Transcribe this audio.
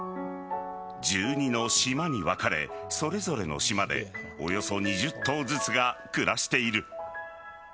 １２の島に分かれそれぞれの島でおよそ２０頭ずつが暮らしている。